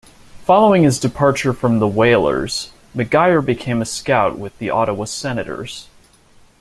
Following his departure from the Whalers, McGuire became a scout with the Ottawa Senators.